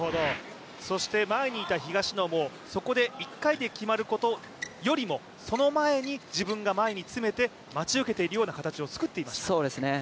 そして前にいた東野も、そこで一回で決まることよりも、その前に自分が前に詰めて待ち受けているような形を作っていました。